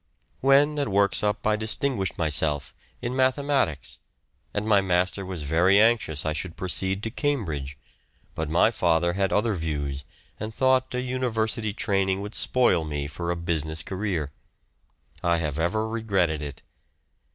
When at Worksop I distinguished myself in mathematics, and my master was very anxious I should proceed to Cambridge, but my father had other views, and thought a university training would spoil me for a business career. I have ever regretted it.